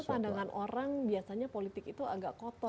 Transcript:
padahal pandangan orang biasanya politik itu agak kotor gitu pak